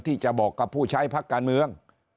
ที่จะบอกกับผู้ใช้พักการเมือง